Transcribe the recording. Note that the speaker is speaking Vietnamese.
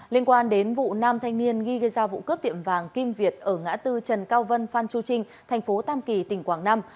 liên quan đến vụ nam thanh niên nghi gây ra vụ cướp tiệm vàng kim việt ở ngã tư trần cao vân phan chu trinh thành phố tam kỳ tỉnh quảng nam